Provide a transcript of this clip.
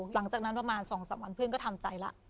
หลังจากนั้นประมาณสองสักวันเพื่อนก็ทำใจละ